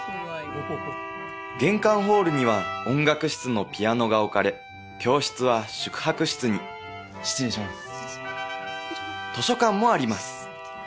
玄関ホールには音楽室のピアノが置かれ教室は宿泊室に図書館もあります